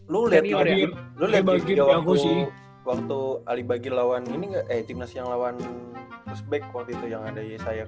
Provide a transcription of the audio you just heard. lo liat ya waktu timnas yang lawan uzbek waktu itu yang ada yesaya